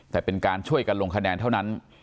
แต่เป็นการช่วยกันลงคะแนนเท่านั้น